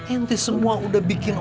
ente semua udah bikin orang